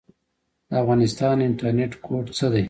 د افغانستان انټرنیټ کوډ څه دی؟